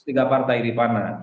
tiga partai di mana